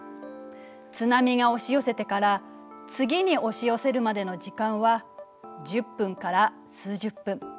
津波が押し寄せてから次に押し寄せるまでの時間は１０分から数１０分。